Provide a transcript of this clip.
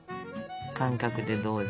感覚でどうぞ。